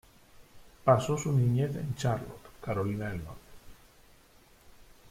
Pasó su niñez en Charlotte, Carolina del Norte.